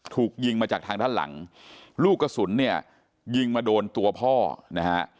ถูกยิงมาจากทางด้านหลังลูกกระสุนเนี่ยยิงมาโดนตัวพ่อนะฮะ